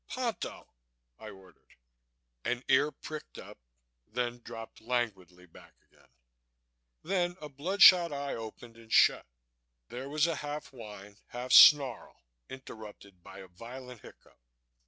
"Ponto!" I ordered. An ear pricked up, then dropped languidly back again. Then a blood shot eye opened and shut. There was a half whine, half snarl, interrupted by a violent hiccough.